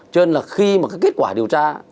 cho nên là khi mà kết quả điều tra